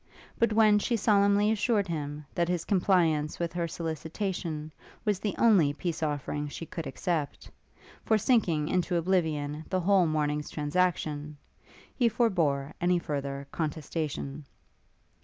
But when she solemnly assured him, that his compliance with her solicitation was the only peace offering she could accept, for sinking into oblivion the whole morning's transaction, he forbore any further contestation.